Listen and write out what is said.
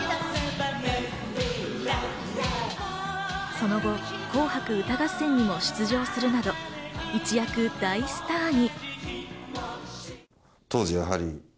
その後、『紅白歌合戦』にも出場するなど、一躍大スターに。